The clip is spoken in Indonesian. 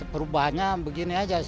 perubahannya begini saja